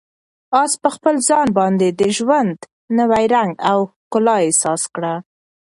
آس په خپل ځان باندې د ژوند نوی رنګ او ښکلا احساس کړه.